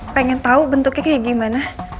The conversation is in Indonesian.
pengen tahu bentuknya kayak gimana